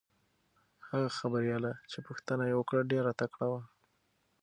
هغه خبریاله چې پوښتنه یې وکړه ډېره تکړه وه.